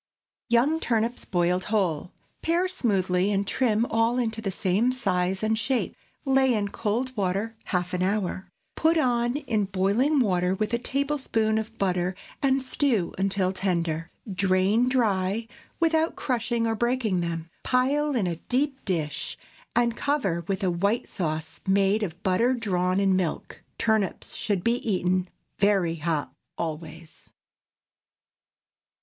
YOUNG TURNIPS BOILED WHOLE. Pare smoothly, and trim all into the same size and shape. Lay in cold water half an hour. Put on in boiling water, with a tablespoonful of butter, and stew until tender. Drain dry, without crushing or breaking them; pile in a deep dish, and cover with a white sauce made of butter drawn in milk. Turnips should be eaten very hot always.